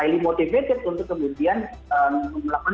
dimotivated untuk kemudian melakukan